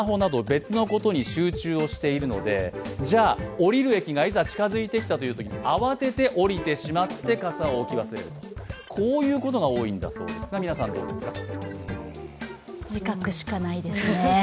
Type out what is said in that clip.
降りる駅がいざ近づいてきたというとき、慌てて降りてしまって傘を置き忘れるとこういうことが多いんだそうですが、皆さんどうですか自覚しかないですね。